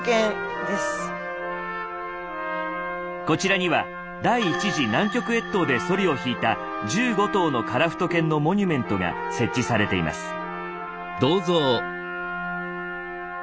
こちらには第１次南極越冬でソリを引いた１５頭のカラフト犬のモニュメントが設置されています。